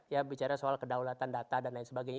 ya bicara soal kedaulatan data dan lain sebagainya